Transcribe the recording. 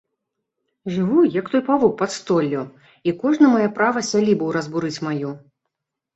Жыву, як той павук пад столлю, і кожны мае права сялібу разбурыць маю.